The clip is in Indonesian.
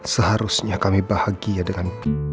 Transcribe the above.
seharusnya kami bahagia dengan